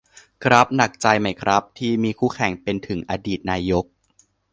ครับ หนักใจไหมครับ ที่มีคู่แข่งเป็นถึงอดีตนายก